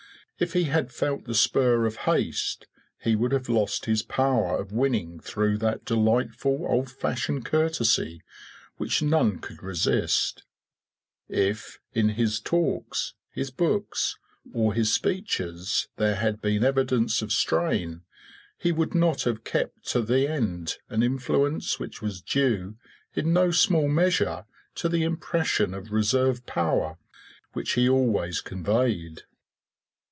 If he had felt the spur of haste he would have lost his power of winning through that delightful old fashioned courtesy which none could resist; if in his talks, his books, or his speeches there had been evidences of strain, he would not have kept to the end an influence which was due in no small measure to the impression of reserve power which he always conveyed.